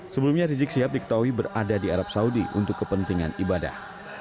sebelumnya rizik sihab diketahui berada di arab saudi untuk kepentingan ibadah